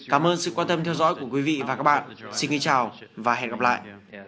cảm ơn sự quan tâm theo dõi của quý vị và các bạn xin kính chào và hẹn gặp lại